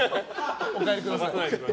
お帰りください。